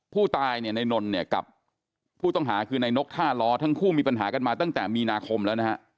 ผู้ตายเนี่ยในนนเนี่ยกับผู้ต้องหาคือในนกท่าล้อทั้งคู่มีปัญหากันมาตั้งแต่มีนาคมแล้วนะฮะ